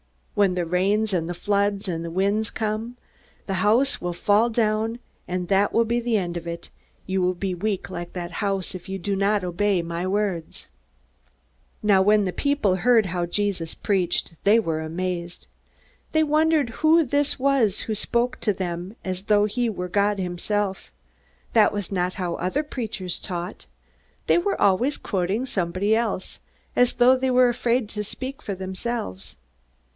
When the rains and the floods and the winds come, the house will fall down and that will be the end of it. You will be weak like that house, if you do not obey my words." Now when the people heard how Jesus preached, they were amazed. They wondered who this was who spoke to them as though he were God himself. That was not how other preachers taught. They were always quoting somebody else, as though they were afraid to speak for themselves.